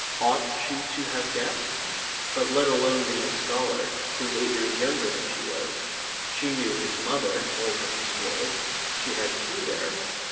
Ought she to have guessed? But let alone being a scholar he was eight years younger than she was. She knew his mother old Mrs. Floyd. She had tea there.